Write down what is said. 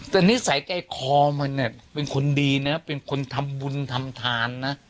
แต่นิสัยใจคอมันเนี่ยเป็นคนดีนะเป็นคนทำบุญทำทานนะ